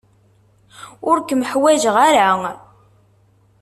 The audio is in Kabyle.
Ur kem-ḥwajeɣ ara.